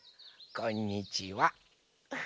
こんにちは。